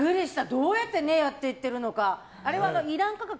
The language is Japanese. どうやってやっていってるのか。